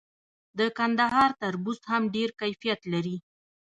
د کندهار تربوز هم ډیر کیفیت لري.